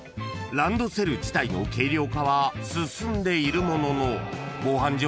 ［ランドセル自体の軽量化は進んでいるものの防犯上